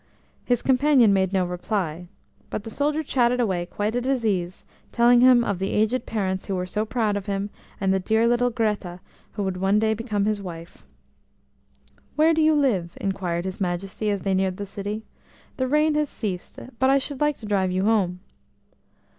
His companion made no reply, but the soldier chatted away quite at his ease, telling him of the aged parents who were so proud of him, and the dear little "Greta" who would one day become his wife. "Where do you live?" inquired his Majesty as they neared the city. "The rain has ceased, but I should like to drive you home."